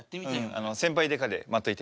先輩デカで待っといて。